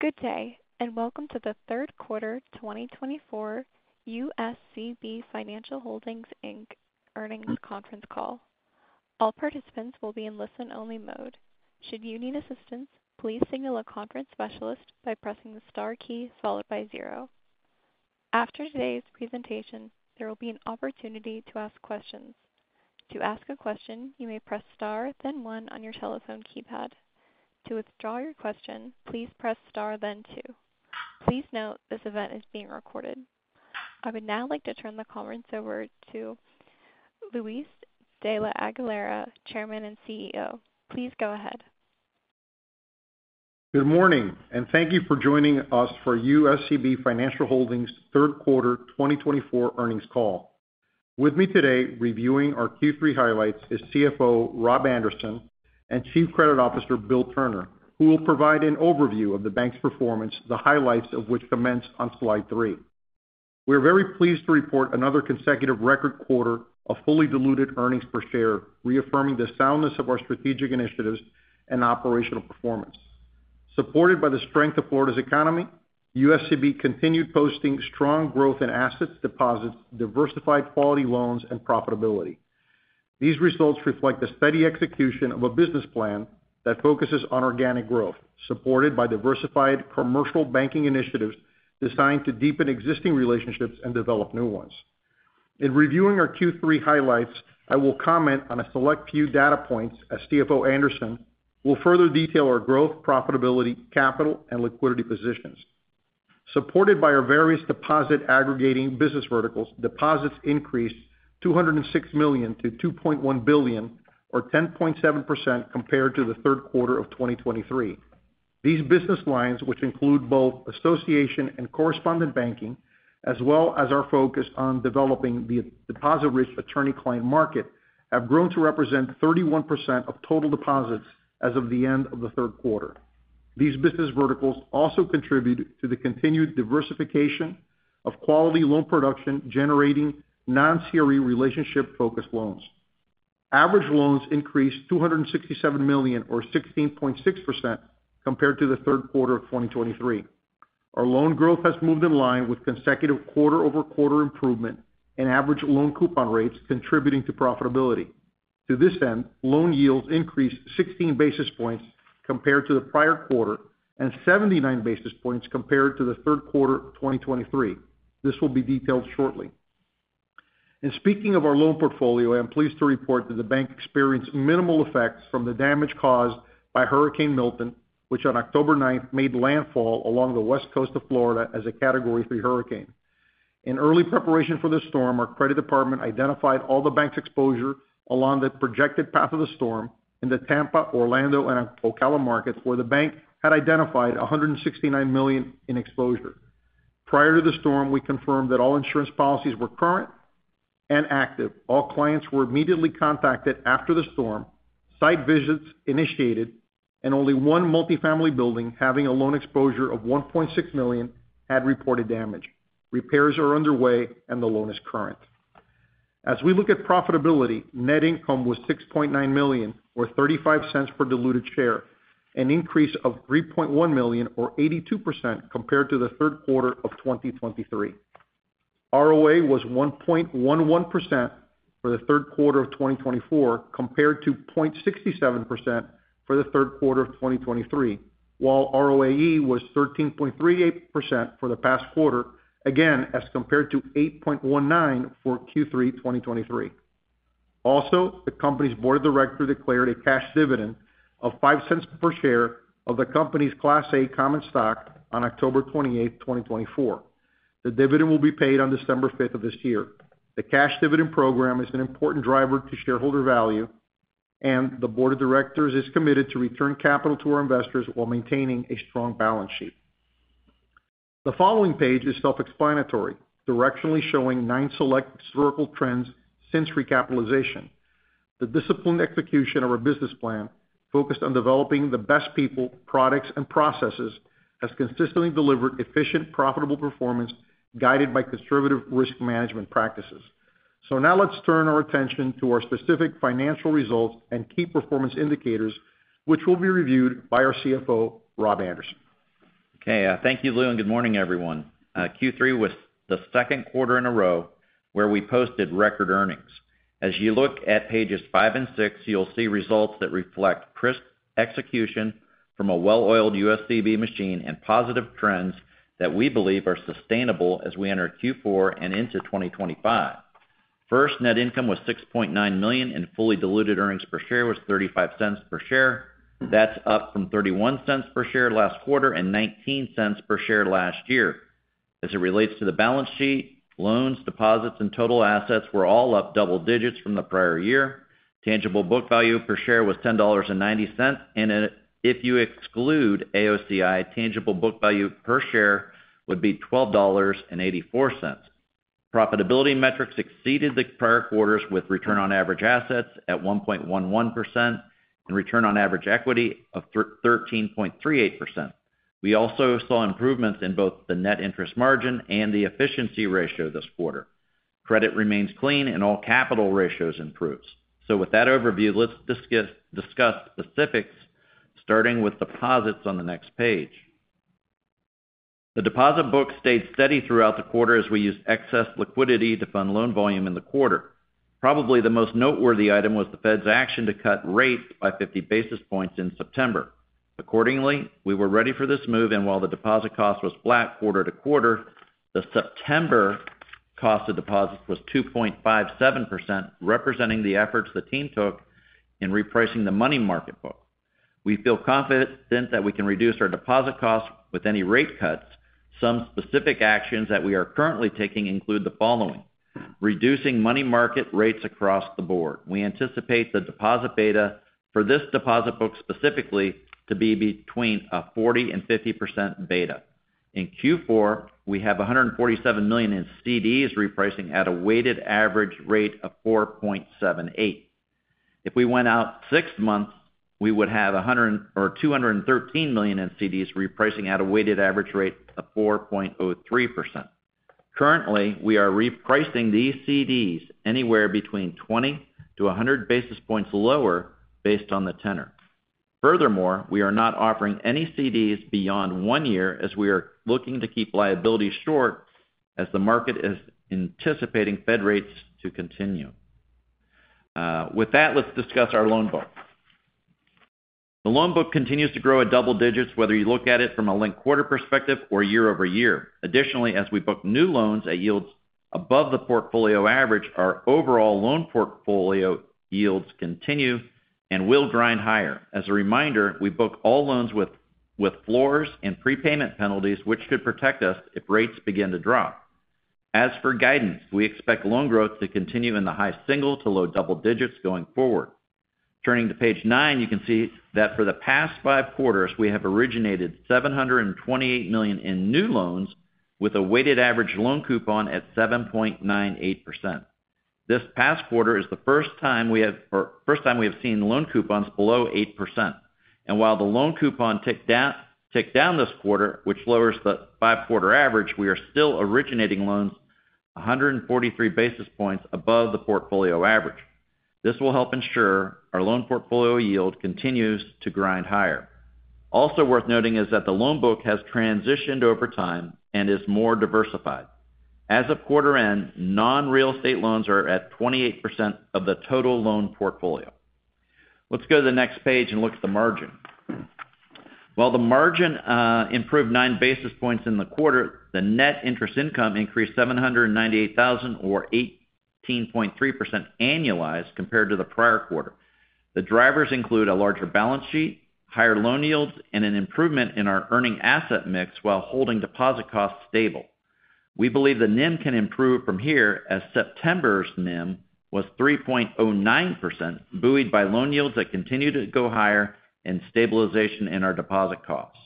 Good day, and welcome to the third quarter 2024 USCB Financial Holdings Inc. earnings conference call. All participants will be in listen-only mode. Should you need assistance, please signal a conference specialist by pressing the star key followed by zero. After today's presentation, there will be an opportunity to ask questions. To ask a question, you may press star, then one on your telephone keypad. To withdraw your question, please press star, then two. Please note this event is being recorded. I would now like to turn the conference over to Luis de la Aguilera, Chairman and CEO. Please go ahead. Good morning, and thank you for joining us for USCB Financial Holdings third quarter 2024 earnings call. With me today reviewing our Q3 highlights is CFO Rob Anderson and Chief Credit Officer Bill Turner, who will provide an overview of the bank's performance, the highlights of which commence on slide three. We are very pleased to report another consecutive record quarter of fully diluted earnings per share, reaffirming the soundness of our strategic initiatives and operational performance. Supported by the strength of Florida's economy, USCB continued posting strong growth in assets, deposits, diversified quality loans, and profitability. These results reflect a steady execution of a business plan that focuses on organic growth, supported by diversified commercial banking initiatives designed to deepen existing relationships and develop new ones. In reviewing our Q3 highlights, I will comment on a select few data points, as CFO Anderson will further detail our growth, profitability, capital, and liquidity positions. Supported by our various deposit aggregating business verticals, deposits increased $206 million to $2.1 billion, or 10.7% compared to the third quarter of 2023. These business lines, which include both association and correspondent banking, as well as our focus on developing the deposit-rich attorney-client market, have grown to represent 31% of total deposits as of the end of the third quarter. These business verticals also contribute to the continued diversification of quality loan production, generating non-CRE relationship-focused loans. Average loans increased $267 million, or 16.6% compared to the third quarter of 2023. Our loan growth has moved in line with consecutive quarter-over-quarter improvement in average loan coupon rates, contributing to profitability. To this end, loan yields increased 16 basis points compared to the prior quarter and 79 basis points compared to the third quarter of 2023. This will be detailed shortly. In speaking of our loan portfolio, I am pleased to report that the bank experienced minimal effects from the damage caused by Hurricane Milton, which on October 9th made landfall along the west coast of Florida as a category three hurricane. In early preparation for the storm, our credit department identified all the bank's exposure along the projected path of the storm in the Tampa, Orlando, and Ocala markets, where the bank had identified $169 million in exposure. Prior to the storm, we confirmed that all insurance policies were current and active. All clients were immediately contacted after the storm, site visits initiated, and only one multifamily building having a loan exposure of $1.6 million had reported damage. Repairs are underway, and the loan is current. As we look at profitability, net income was $6.9 million, or $0.35 per diluted share, an increase of $3.1 million, or 82% compared to the third quarter of 2023. ROA was 1.11% for the third quarter of 2024 compared to 0.67% for the third quarter of 2023, while ROAE was 13.38% for the past quarter, again as compared to 8.19% for Q3 2023. Also, the company's board of directors declared a cash dividend of $0.05 per share of the company's Class A common stock on October 28th, 2024. The dividend will be paid on December 5th of this year. The cash dividend program is an important driver to shareholder value, and the board of directors is committed to return capital to our investors while maintaining a strong balance sheet. The following page is self-explanatory, directionally showing nine select historical trends since recapitalization. The disciplined execution of our business plan, focused on developing the best people, products, and processes, has consistently delivered efficient, profitable performance guided by conservative risk management practices. So now let's turn our attention to our specific financial results and key performance indicators, which will be reviewed by our CFO, Rob Anderson. Okay. Thank you, Lou, and good morning, everyone. Q3 was the second quarter in a row where we posted record earnings. As you look at pages five and six, you'll see results that reflect crisp execution from a well-oiled USCB machine and positive trends that we believe are sustainable as we enter Q4 and into 2025. First, net income was $6.9 million, and fully diluted earnings per share was $0.35 per share. That's up from $0.31 per share last quarter and $0.19 per share last year. As it relates to the balance sheet, loans, deposits, and total assets were all up double digits from the prior year. Tangible book value per share was $10.90, and if you exclude AOCI, tangible book value per share would be $12.84. Profitability metrics exceeded the prior quarters with return on average assets at 1.11% and return on average equity of 13.38%. We also saw improvements in both the net interest margin and the efficiency ratio this quarter. Credit remains clean, and all capital ratios improved. So with that overview, let's discuss specifics, starting with deposits on the next page. The deposit book stayed steady throughout the quarter as we used excess liquidity to fund loan volume in the quarter. Probably the most noteworthy item was the Fed's action to cut rates by 50 basis points in September. Accordingly, we were ready for this move, and while the deposit cost was flat quarter to quarter, the September cost of deposits was 2.57%, representing the efforts the team took in repricing the money market book. We feel confident that we can reduce our deposit costs with any rate cuts. Some specific actions that we are currently taking include the following: reducing money market rates across the board. We anticipate the deposit beta for this deposit book specifically to be between a 40% and 50% beta. In Q4, we have $147 million in CDs repricing at a weighted average rate of 4.78%. If we went out six months, we would have $213 million in CDs repricing at a weighted average rate of 4.03%. Currently, we are repricing these CDs anywhere between 20-100 basis points lower based on the tenor. Furthermore, we are not offering any CDs beyond one year as we are looking to keep liability short as the market is anticipating Fed rates to continue. With that, let's discuss our loan book. The loan book continues to grow at double digits, whether you look at it from a link quarter perspective or year over year. Additionally, as we book new loans at yields above the portfolio average, our overall loan portfolio yields continue and will grind higher. As a reminder, we book all loans with floors and prepayment penalties, which could protect us if rates begin to drop. As for guidance, we expect loan growth to continue in the high single to low double digits going forward. Turning to page nine, you can see that for the past five quarters, we have originated $728 million in new loans with a weighted average loan coupon at 7.98%. This past quarter is the first time we have seen loan coupons below 8%. And while the loan coupon ticked down this quarter, which lowers the five-quarter average, we are still originating loans 143 basis points above the portfolio average. This will help ensure our loan portfolio yield continues to grind higher. Also worth noting is that the loan book has transitioned over time and is more diversified. As of quarter end, non-real estate loans are at 28% of the total loan portfolio. Let's go to the next page and look at the margin. While the margin improved nine basis points in the quarter, the net interest income increased $798,000 or 18.3% annualized compared to the prior quarter. The drivers include a larger balance sheet, higher loan yields, and an improvement in our earning asset mix while holding deposit costs stable. We believe the NIM can improve from here as September's NIM was 3.09%, buoyed by loan yields that continue to go higher and stabilization in our deposit costs.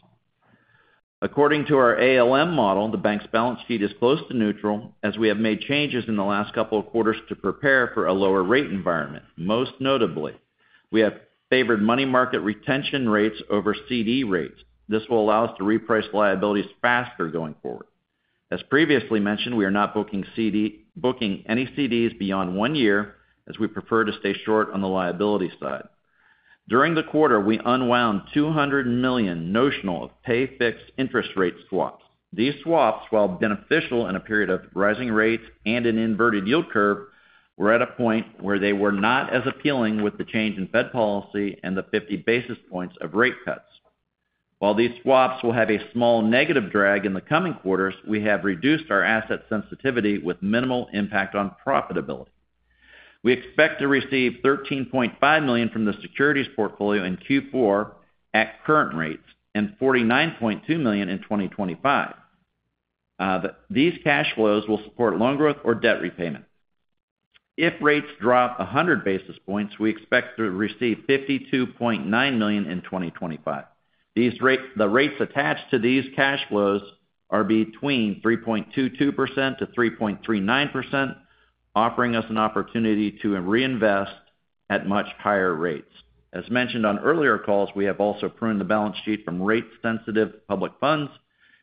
According to our ALM model, the bank's balance sheet is close to neutral as we have made changes in the last couple of quarters to prepare for a lower rate environment. Most notably, we have favored money market retention rates over CD rates. This will allow us to reprice liabilities faster going forward. As previously mentioned, we are not booking any CDs beyond one year as we prefer to stay short on the liability side. During the quarter, we unwound $200 million notional of pay-fixed interest rate swaps. These swaps, while beneficial in a period of rising rates and an inverted yield curve, were at a point where they were not as appealing with the change in Fed policy and the 50 basis points of rate cuts. While these swaps will have a small negative drag in the coming quarters, we have reduced our asset sensitivity with minimal impact on profitability. We expect to receive $13.5 million from the securities portfolio in Q4 at current rates and $49.2 million in 2025. These cash flows will support loan growth or debt repayment. If rates drop 100 basis points, we expect to receive $52.9 million in 2025. The rates attached to these cash flows are between 3.22%-3.39%, offering us an opportunity to reinvest at much higher rates. As mentioned on earlier calls, we have also pruned the balance sheet from rate-sensitive public funds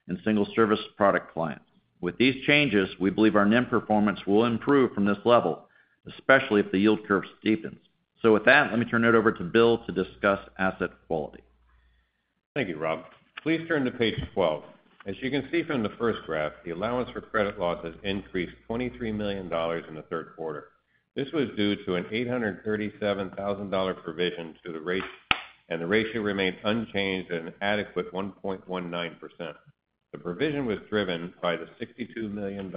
and single-service product clients. With these changes, we believe our NIM performance will improve from this level, especially if the yield curve steepens. So with that, let me turn it over to Bill to discuss asset quality. Thank you, Rob. Please turn to page 12. As you can see from the first graph, the allowance for credit loss has increased $23 million in the third quarter. This was due to an $837,000 provision to the rate, and the ratio remained unchanged at an adequate 1.19%. The provision was driven by the $62 million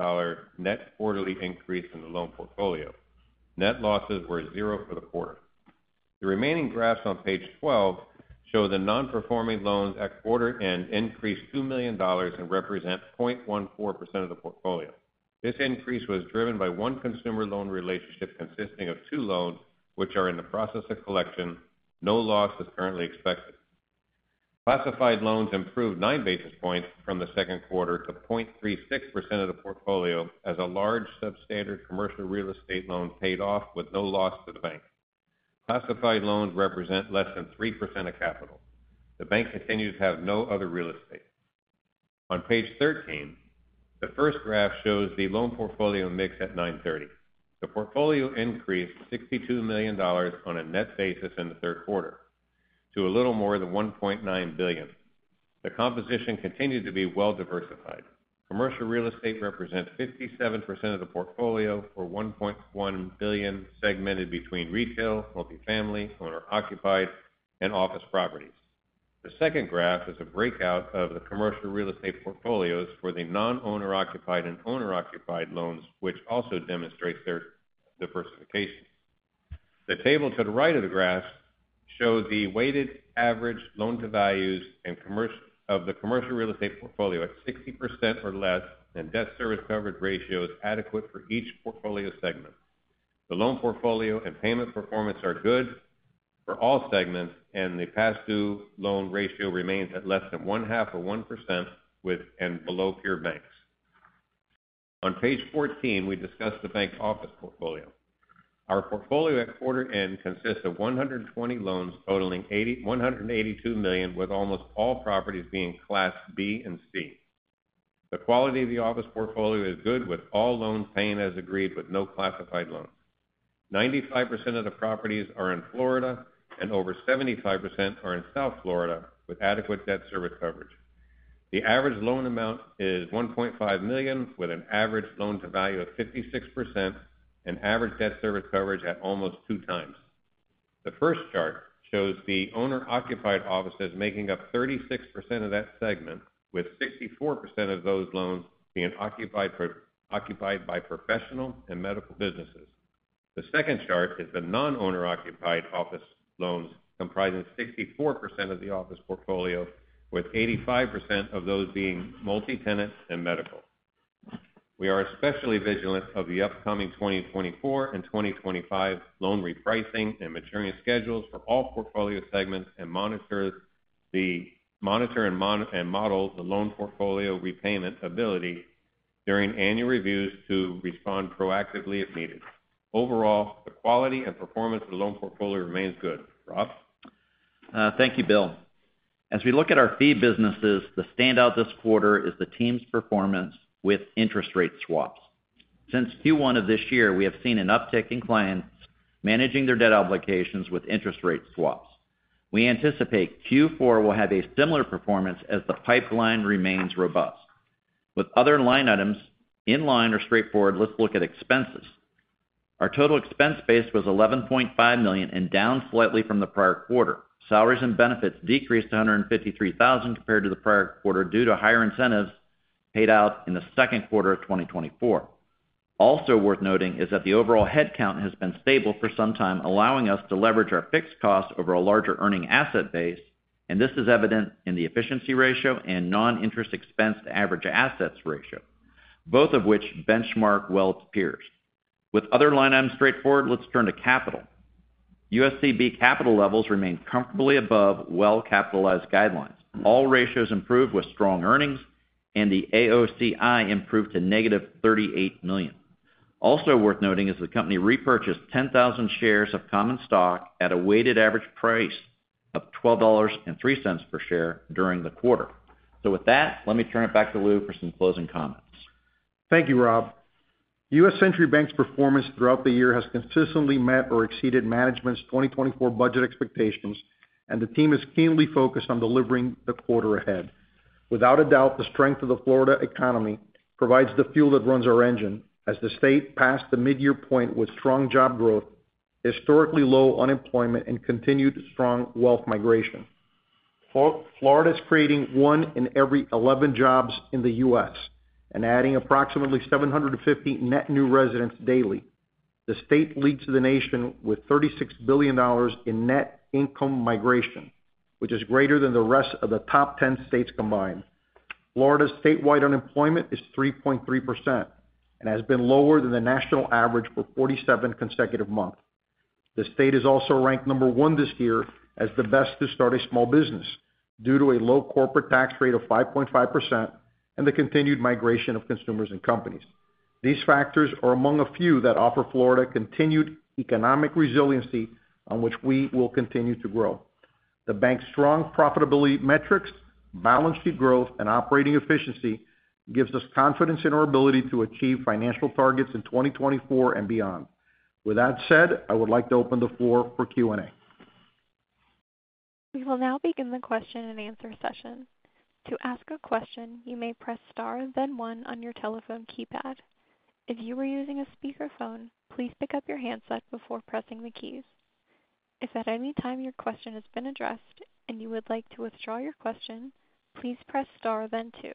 net quarterly increase in the loan portfolio. Net losses were zero for the quarter. The remaining graphs on page 12 show the non-performing loans at quarter end increased $2 million and represent 0.14% of the portfolio. This increase was driven by one consumer loan relationship consisting of two loans, which are in the process of collection. No loss is currently expected. Classified loans improved nine basis points from the second quarter to 0.36% of the portfolio as a large substandard commercial real estate loan paid off with no loss to the bank. Classified loans represent less than 3% of capital. The bank continues to have no other real estate. On page 13, the first graph shows the loan portfolio mix at 930. The portfolio increased $62 million on a net basis in the third quarter to a little more than $1.9 billion. The composition continued to be well-diversified. Commercial real estate represents 57% of the portfolio or $1.1 billion, segmented between retail, multifamily, owner-occupied, and office properties. The second graph is a breakout of the commercial real estate portfolios for the non-owner-occupied and owner-occupied loans, which also demonstrates their diversification. The table to the right of the graph shows the weighted average loan-to-values of the commercial real estate portfolio at 60% or less, and debt service coverage ratio is adequate for each portfolio segment. The loan portfolio and payment performance are good for all segments, and the past-due loan ratio remains at less than one-half or 1% with and below peer banks. On page 14, we discuss the bank office portfolio. Our portfolio at quarter end consists of 120 loans totaling $182 million, with almost all properties being Class B and C. The quality of the office portfolio is good, with all loans paying as agreed, with no classified loans. 95% of the properties are in Florida, and over 75% are in South Florida, with adequate debt service coverage. The average loan amount is $1.5 million, with an average loan-to-value of 56% and average debt service coverage at almost two times. The first chart shows the owner-occupied offices making up 36% of that segment, with 64% of those loans being occupied by professional and medical businesses. The second chart is the non-owner-occupied office loans, comprising 64% of the office portfolio, with 85% of those being multi-tenant and medical. We are especially vigilant of the upcoming 2024 and 2025 loan repricing and maturing schedules for all portfolio segments and monitor and model the loan portfolio repayment ability during annual reviews to respond proactively if needed. Overall, the quality and performance of the loan portfolio remains good. Rob? Thank you, Bill. As we look at our fee businesses, the standout this quarter is the team's performance with interest rate swaps. Since Q1 of this year, we have seen an uptick in clients managing their debt obligations with interest rate swaps. We anticipate Q4 will have a similar performance as the pipeline remains robust. With other line items in line or straightforward, let's look at expenses. Our total expense base was $11.5 million and down slightly from the prior quarter. Salaries and benefits decreased to $153,000 compared to the prior quarter due to higher incentives paid out in the second quarter of 2024. Also worth noting is that the overall headcount has been stable for some time, allowing us to leverage our fixed cost over a larger earning asset base, and this is evident in the efficiency ratio and non-interest expense to average assets ratio, both of which benchmark well to peers. With other line items straightforward, let's turn to capital. USCB capital levels remain comfortably above well-capitalized guidelines. All ratios improved with strong earnings, and the AOCI improved to negative $38 million. Also worth noting is the company repurchased 10,000 shares of common stock at a weighted average price of $12.03 per share during the quarter. So with that, let me turn it back to Lou for some closing comments. Thank you, Rob. U.S. Century Bank's performance throughout the year has consistently met or exceeded management's 2024 budget expectations, and the team is keenly focused on delivering the quarter ahead. Without a doubt, the strength of the Florida economy provides the fuel that runs our engine as the state passed the mid-year point with strong job growth, historically low unemployment, and continued strong wealth migration. Florida is creating one in every 11 jobs in the U.S. and adding approximately 750 net new residents daily. The state leads the nation with $36 billion in net income migration, which is greater than the rest of the top 10 states combined. Florida's statewide unemployment is 3.3% and has been lower than the national average for 47 consecutive months. The state is also ranked number one this year as the best to start a small business due to a low corporate tax rate of 5.5% and the continued migration of consumers and companies. These factors are among a few that offer Florida continued economic resiliency on which we will continue to grow. The bank's strong profitability metrics, balance sheet growth, and operating efficiency give us confidence in our ability to achieve financial targets in 2024 and beyond. With that said, I would like to open the floor for Q&A. We will now begin the question and answer session. To ask a question, you may press star, then one on your telephone keypad. If you are using a speakerphone, please pick up your handset before pressing the keys. If at any time your question has been addressed and you would like to withdraw your question, please press star, then two.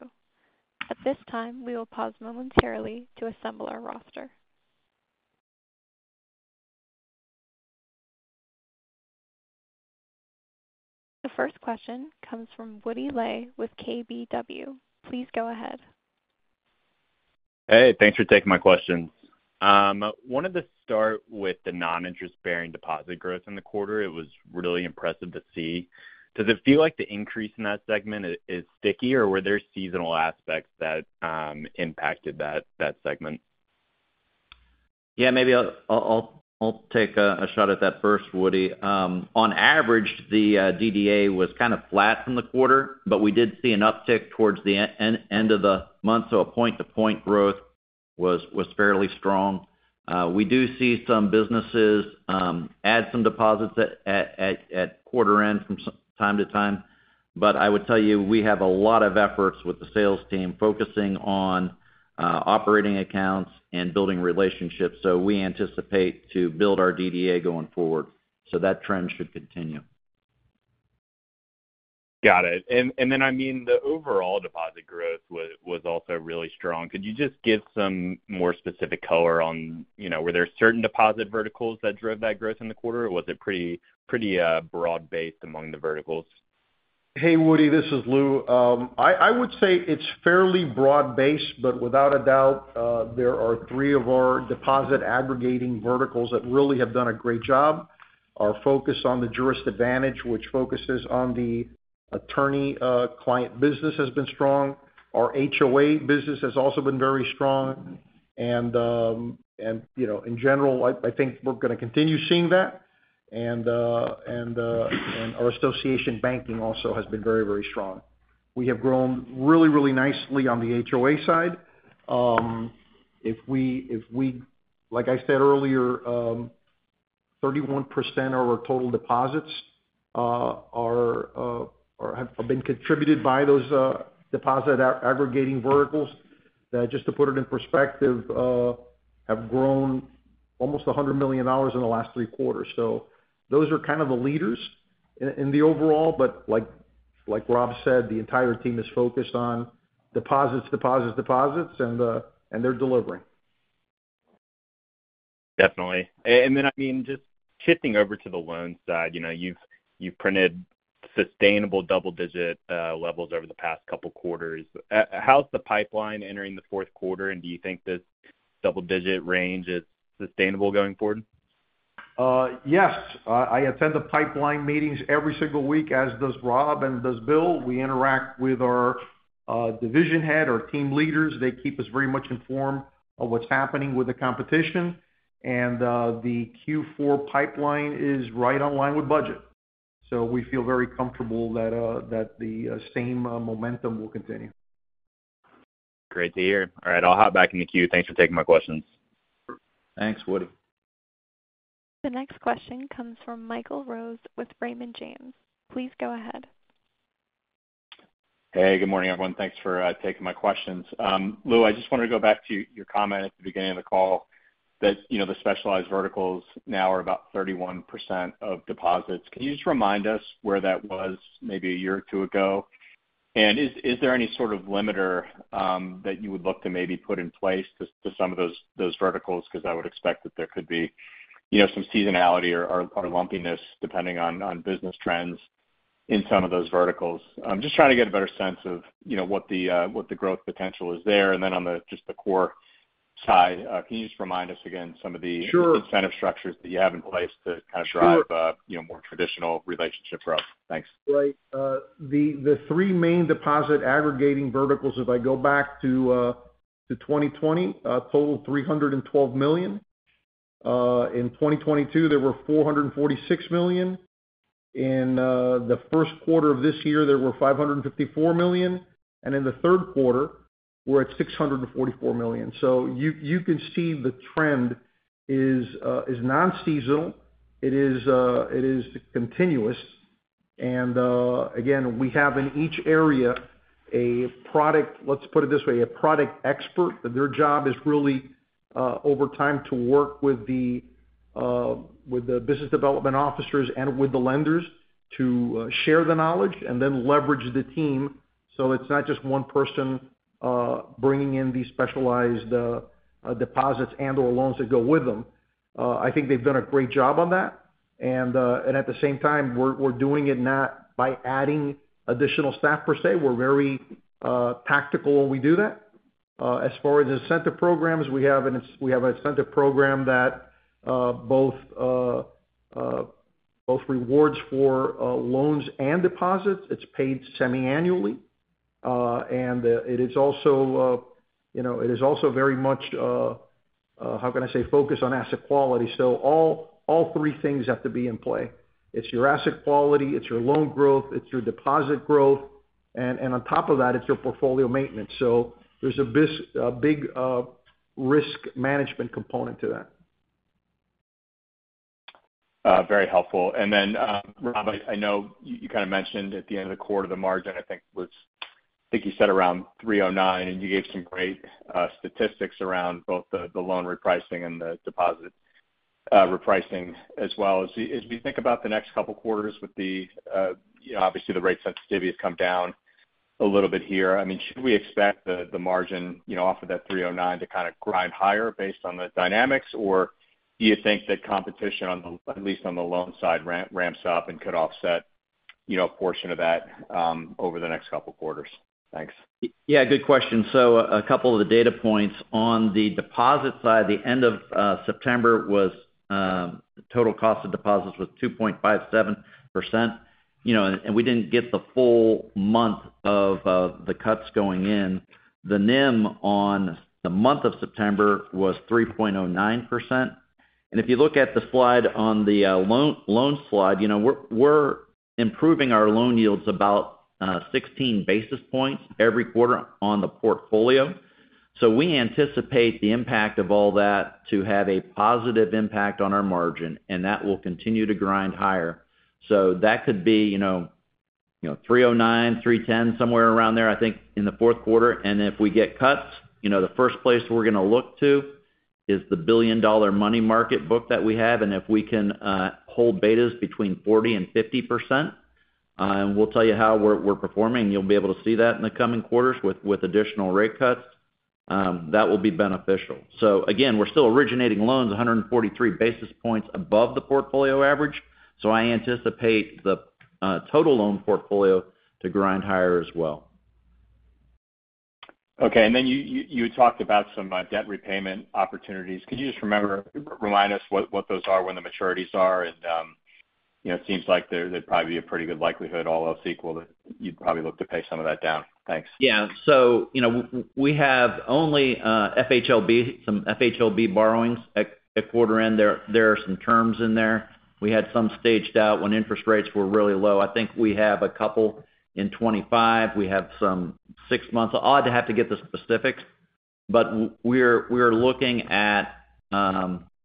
At this time, we will pause momentarily to assemble our roster. The first question comes from Woody Lay with KBW. Please go ahead. Hey, thanks for taking my questions. Wanted to start with the non-interest-bearing deposit growth in the quarter. It was really impressive to see. Does it feel like the increase in that segment is sticky, or were there seasonal aspects that impacted that segment? Yeah, maybe I'll take a shot at that first, Woody. On average, the DDA was kind of flat from the quarter, but we did see an uptick towards the end of the month, so a point-to-point growth was fairly strong. We do see some businesses add some deposits at quarter end from time to time, but I would tell you we have a lot of efforts with the sales team focusing on operating accounts and building relationships, so we anticipate to build our DDA going forward, so that trend should continue. Got it. And then, I mean, the overall deposit growth was also really strong. Could you just give some more specific color on, were there certain deposit verticals that drove that growth in the quarter, or was it pretty broad-based among the verticals? Hey, Woody, this is Lou. I would say it's fairly broad-based, but without a doubt, there are three of our deposit aggregating verticals that really have done a great job. Our focus on the Jurist Advantage, which focuses on the attorney-client business, has been strong. Our HOA business has also been very strong. In general, I think we're going to continue seeing that. Our association banking also has been very, very strong. We have grown really, really nicely on the HOA side. If we, like I said earlier, 31% of our total deposits have been contributed by those deposit aggregating verticals that, just to put it in perspective, have grown almost $100 million in the last three quarters. So those are kind of the leaders in the overall, but like Rob said, the entire team is focused on deposits, deposits, deposits, and they're delivering. Definitely. And then, I mean, just shifting over to the loan side, you've printed sustainable double-digit levels over the past couple of quarters. How's the pipeline entering the fourth quarter, and do you think this double-digit range is sustainable going forward? Yes. I attend the pipeline meetings every single week, as does Rob and does Bill. We interact with our division head, our team leaders. They keep us very much informed of what's happening with the competition. And the Q4 pipeline is right on line with budget. So we feel very comfortable that the same momentum will continue. Great to hear. All right, I'll hop back in the queue. Thanks for taking my questions. Thanks, Woody. The next question comes from Michael Rose with Raymond James. Please go ahead. Hey, good morning, everyone. Thanks for taking my questions. Lou, I just wanted to go back to your comment at the beginning of the call that the specialized verticals now are about 31% of deposits. Can you just remind us where that was maybe a year or two ago? And is there any sort of limiter that you would look to maybe put in place to some of those verticals? Because I would expect that there could be some seasonality or lumpiness, depending on business trends in some of those verticals. I'm just trying to get a better sense of what the growth potential is there. And then on just the core side, can you just remind us again some of the incentive structures that you have in place to kind of drive a more traditional relationship for us? Thanks. Right. The three main deposit aggregating verticals, if I go back to 2020, totaled $312 million. In 2022, there were $446 million. In the first quarter of this year, there were $554 million. And in the third quarter, we're at $644 million. So you can see the trend is non-seasonal. It is continuous. And again, we have in each area a product, let's put it this way, a product expert. Their job is really, over time, to work with the business development officers and with the lenders to share the knowledge and then leverage the team. So it's not just one person bringing in these specialized deposits and/or loans that go with them. I think they've done a great job on that. And at the same time, we're doing it not by adding additional staff per se. We're very tactical when we do that. As far as incentive programs, we have an incentive program that both rewards for loans and deposits. It's paid semi-annually, and it is also very much, how can I say?, focused on asset quality, so all three things have to be in play. It's your asset quality. It's your loan growth. It's your deposit growth, and on top of that, it's your portfolio maintenance, so there's a big risk management component to that. Very helpful. Then, Rob, I know you kind of mentioned at the end of the quarter, the margin, I think, was, I think you said around 309, and you gave some great statistics around both the loan repricing and the deposit repricing as well. As we think about the next couple of quarters, with obviously the rate sensitivity has come down a little bit here, I mean, should we expect the margin off of that 309 to kind of grind higher based on the dynamics, or do you think that competition, at least on the loan side, ramps up and could offset a portion of that over the next couple of quarters? Thanks. Yeah, good question. So a couple of the data points on the deposit side, the end of September was total cost of deposits was 2.57%. And we didn't get the full month of the cuts going in. The NIM on the month of September was 3.09%. And if you look at the slide on the loan slide, we're improving our loan yields about 16 basis points every quarter on the portfolio. So we anticipate the impact of all that to have a positive impact on our margin, and that will continue to grind higher. So that could be 309, 310, somewhere around there, I think, in the fourth quarter. And if we get cuts, the first place we're going to look to is the $1 billion money market book that we have. And if we can hold betas between 40% and 50%, and we'll tell you how we're performing, you'll be able to see that in the coming quarters with additional rate cuts. That will be beneficial. So again, we're still originating loans 143 basis points above the portfolio average. So I anticipate the total loan portfolio to grind higher as well. Okay. And then you talked about some debt repayment opportunities. Could you just remind us what those are, when the maturities are? And it seems like there'd probably be a pretty good likelihood, all else equal, that you'd probably look to pay some of that down. Thanks. Yeah. So we have only FHLB, some FHLB borrowings at quarter end. There are some terms in there. We had some staged out when interest rates were really low. I think we have a couple in 2025. We have some six-month. I'll have to get the specifics, but we're looking at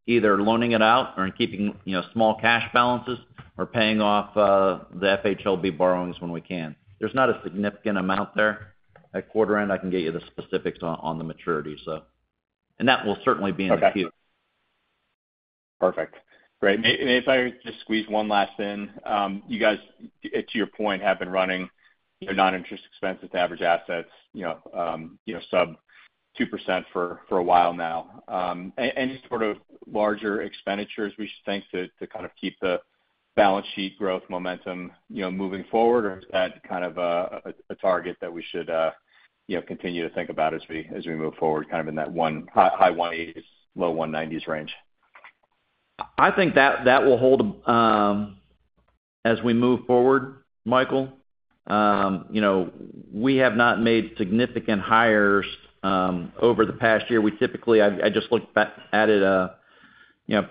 either loaning it out or keeping small cash balances or paying off the FHLB borrowings when we can. There's not a significant amount there. At quarter end, I can get you the specifics on the maturity, so. And that will certainly be in the queue. Perfect. Great, and if I could just squeeze one last in, you guys, to your point, have been running non-interest expenses to average assets sub 2% for a while now. Any sort of larger expenditures we should think to kind of keep the balance sheet growth momentum moving forward, or is that kind of a target that we should continue to think about as we move forward, kind of in that high 180s, low 190s range? I think that will hold as we move forward, Michael. We have not made significant hires over the past year. We typically, I just looked at it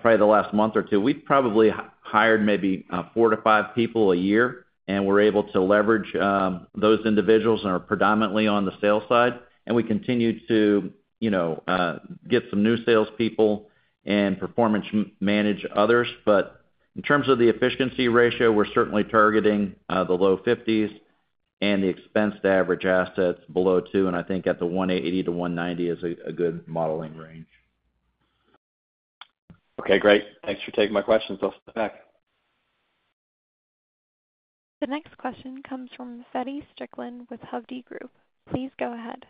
probably the last month or two. We've probably hired maybe four to five people a year, and we're able to leverage those individuals and are predominantly on the sales side. And we continue to get some new salespeople and performance manage others. But in terms of the efficiency ratio, we're certainly targeting the low 50s and the expense to average assets below 2. And I think at the 180-190 is a good modeling range. Okay. Great. Thanks for taking my questions. I'll step back. The next question comes from Feddie Strickland with Hovde Group. Please go ahead.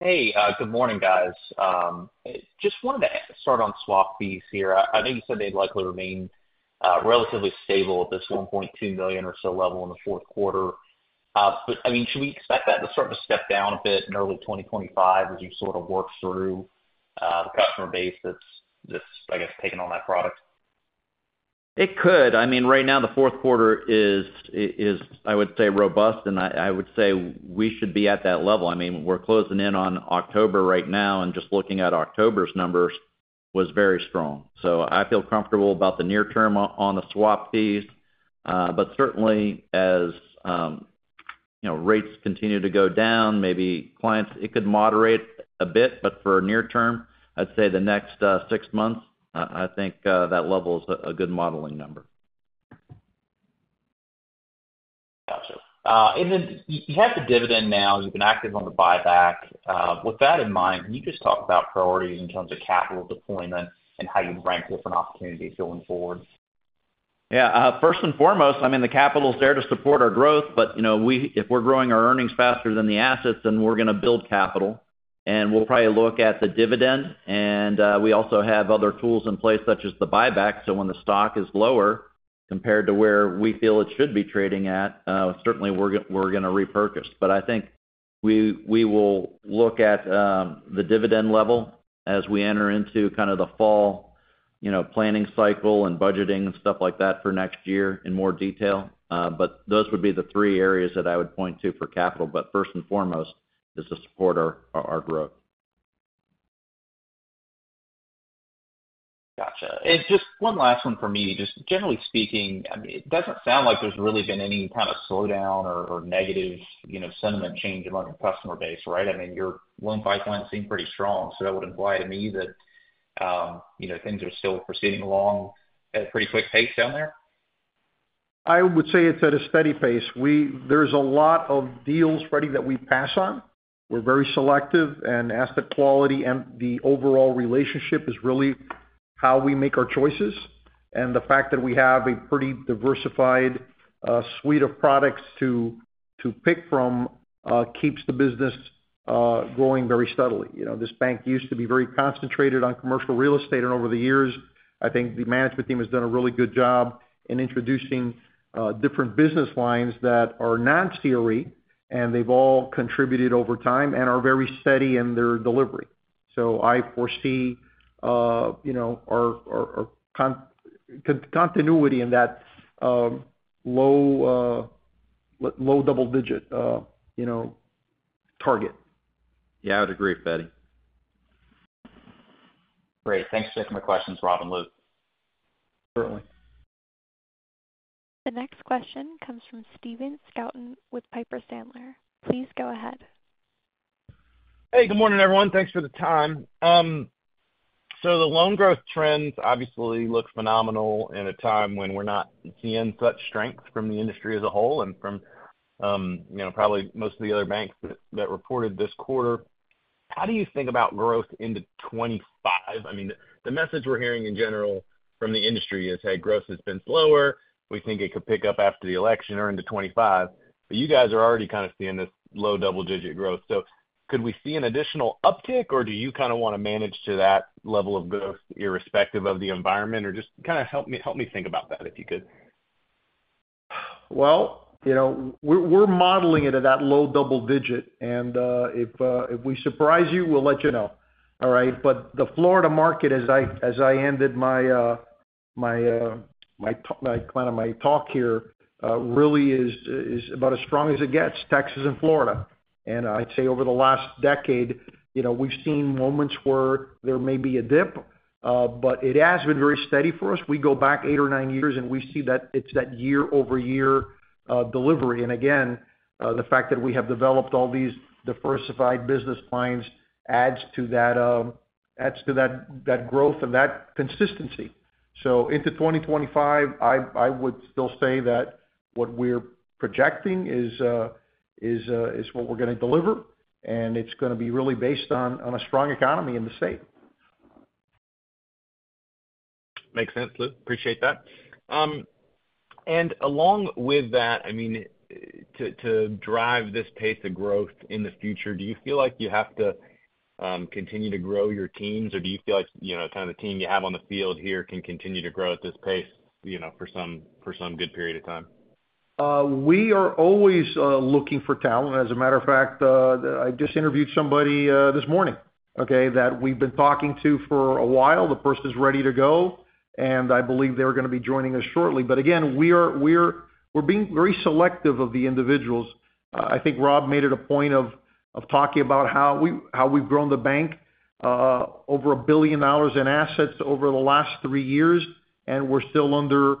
Hey, good morning, guys. Just wanted to start on swap fees here. I know you said they'd likely remain relatively stable at this $1.2 million or so level in the fourth quarter. But I mean, should we expect that to start to step down a bit in early 2025 as you sort of work through the customer base that's, I guess, taking on that product? It could. I mean, right now, the fourth quarter is, I would say, robust, and I would say we should be at that level. I mean, we're closing in on October right now, and just looking at October's numbers was very strong. So I feel comfortable about the near term on the Swap Fees. But certainly, as rates continue to go down, maybe clients, it could moderate a bit. But for near term, I'd say the next six months, I think that level is a good modeling number. Gotcha. And then you have the dividend now. You've been active on the buyback. With that in mind, can you just talk about priorities in terms of capital deployment and how you'd rank different opportunities going forward? Yeah. First and foremost, I mean, the capital's there to support our growth, but if we're growing our earnings faster than the assets, then we're going to build capital. And we'll probably look at the dividend. And we also have other tools in place, such as the buyback. So when the stock is lower compared to where we feel it should be trading at, certainly, we're going to repurchase. But I think we will look at the dividend level as we enter into kind of the fall planning cycle and budgeting and stuff like that for next year in more detail. But those would be the three areas that I would point to for capital. But first and foremost is to support our growth. Gotcha. And just one last one for me. Just generally speaking, I mean, it doesn't sound like there's really been any kind of slowdown or negative sentiment change among the customer base, right? I mean, your loan pipeline seemed pretty strong. So that would imply to me that things are still proceeding along at a pretty quick pace down there? I would say it's at a steady pace. There's a lot of deals ready that we pass on. We're very selective. And asset quality and the overall relationship is really how we make our choices. And the fact that we have a pretty diversified suite of products to pick from keeps the business growing very steadily. This bank used to be very concentrated on commercial real estate. And over the years, I think the management team has done a really good job in introducing different business lines that are non-CRE. And they've all contributed over time and are very steady in their delivery. So I foresee our continuity in that low double-digit target. Yeah, I would agree, Feddie. Great. Thanks for taking my questions, Rob and Lou. Certainly. The next question comes from Stephen Scouten with Piper Sandler. Please go ahead. Hey, good morning, everyone. Thanks for the time. So the loan growth trends obviously look phenomenal in a time when we're not seeing such strength from the industry as a whole and from probably most of the other banks that reported this quarter. How do you think about growth into 2025? I mean, the message we're hearing in general from the industry is, "Hey, growth has been slower. We think it could pick up after the election or into 2025." But you guys are already kind of seeing this low double-digit growth. So could we see an additional uptick, or do you kind of want to manage to that level of growth irrespective of the environment? Or just kind of help me think about that, if you could. We're modeling it at that low double digit. And if we surprise you, we'll let you know. All right? But the Florida market, as I ended kind of my talk here, really is about as strong as it gets: Texas and Florida. I'd say over the last decade, we've seen moments where there may be a dip, but it has been very steady for us. We go back eight or nine years, and we see that it's that year-over-year delivery. Again, the fact that we have developed all these diversified business lines adds to that growth and that consistency. Into 2025, I would still say that what we're projecting is what we're going to deliver. It's going to be really based on a strong economy in the state. Makes sense, Lou. Appreciate that. And along with that, I mean, to drive this pace of growth in the future, do you feel like you have to continue to grow your teams, or do you feel like kind of the team you have on the field here can continue to grow at this pace for some good period of time? We are always looking for talent. As a matter of fact, I just interviewed somebody this morning, okay, that we've been talking to for a while. The person's ready to go. And I believe they're going to be joining us shortly. But again, we're being very selective of the individuals. I think Rob made it a point of talking about how we've grown the bank over $1 billion in assets over the last three years, and we're still under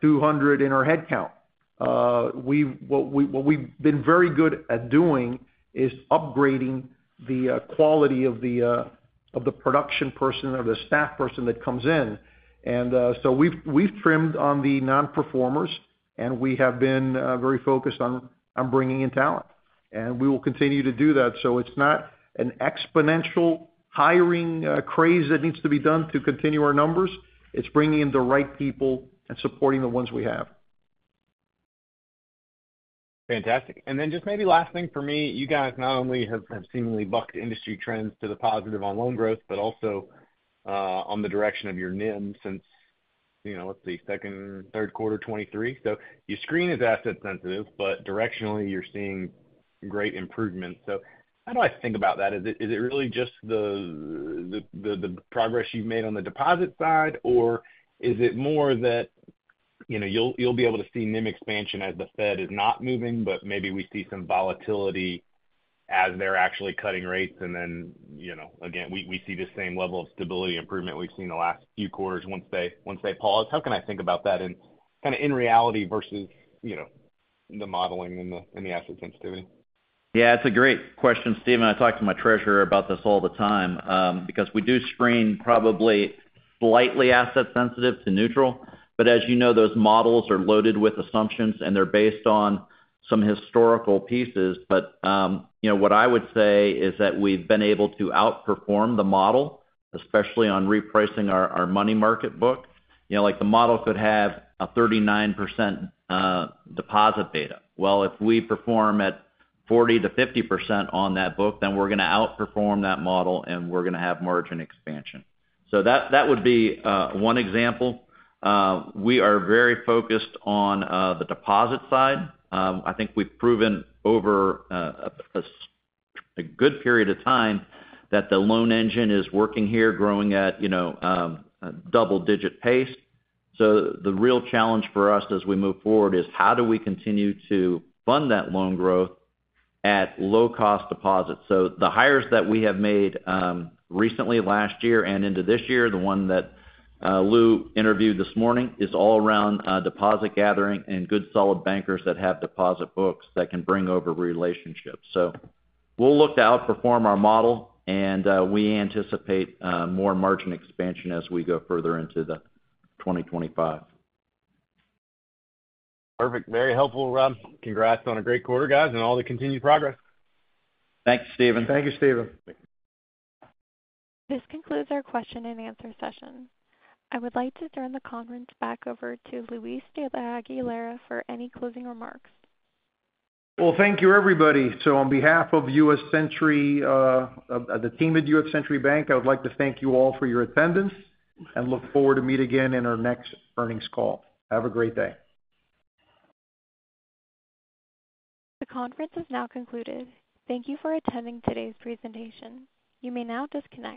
200 in our headcount. What we've been very good at doing is upgrading the quality of the production person or the staff person that comes in. And so we've trimmed on the non-performers, and we have been very focused on bringing in talent. And we will continue to do that. So it's not an exponential hiring craze that needs to be done to continue our numbers. It's bringing in the right people and supporting the ones we have. Fantastic. And then just maybe last thing for me. You guys not only have seemingly bucked industry trends to the positive on loan growth, but also on the direction of your NIM since, let's see, second, third quarter 2023. So your screen is asset sensitive, but directionally, you're seeing great improvements. So how do I think about that? Is it really just the progress you've made on the deposit side, or is it more that you'll be able to see NIM expansion as the Fed is not moving, but maybe we see some volatility as they're actually cutting rates? And then again, we see the same level of stability improvement we've seen the last few quarters once they pause. How can I think about that kind of in reality versus the modeling and the asset sensitivity? Yeah, it's a great question, Stephen. I talk to my treasurer about this all the time because we do screen probably slightly asset sensitive to neutral. But as you know, those models are loaded with assumptions, and they're based on some historical pieces. But what I would say is that we've been able to outperform the model, especially on repricing our money market book. The model could have a 39% deposit beta. Well, if we perform at 40%-50% on that book, then we're going to outperform that model, and we're going to have margin expansion. So that would be one example. We are very focused on the deposit side. I think we've proven over a good period of time that the loan engine is working here, growing at double-digit pace. So the real challenge for us as we move forward is how do we continue to fund that loan growth at low-cost deposits? So the hires that we have made recently last year and into this year, the one that Lou interviewed this morning, is all around deposit gathering and good solid bankers that have deposit books that can bring over relationships. So we'll look to outperform our model, and we anticipate more margin expansion as we go further into 2025. Perfect. Very helpful, Rob. Congrats on a great quarter, guys, and all the continued progress. Thanks, Stephen. Thank you, Stephen. This concludes our question and answer session. I would like to turn the conference back over to Luis de la Aguilera for any closing remarks. Thank you, everybody. On behalf of the team at U.S. Century Bank, I would like to thank you all for your attendance and look forward to meeting again in our next earnings call. Have a great day. The conference has now concluded. Thank you for attending today's presentation. You may now disconnect.